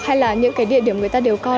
hay là những cái địa điểm người ta đều coi